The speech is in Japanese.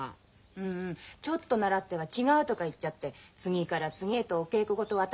うんうんちょっと習っては違うとか言っちゃって次から次へとお稽古事を渡り歩く手合いね。